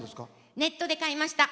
ネットで買いました。